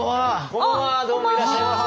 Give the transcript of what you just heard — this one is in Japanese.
こんばんはどうもいらっしゃいませ。